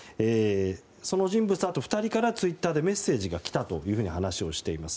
その人物とあと２人からツイッターでメッセージが来たと話をしています。